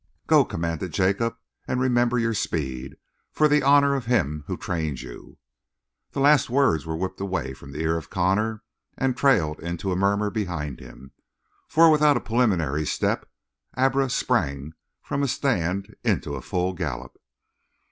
"Go," commanded Jacob; "and remember your speed, for the honor of him who trained you!" The last words were whipped away from the ear of Connor and trailed into a murmur behind him, for without a preliminary step Abra sprang from a stand into a full gallop.